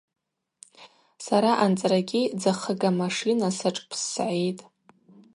Сара анцӏрагьи дзахыга машина сашӏпсгӏитӏ.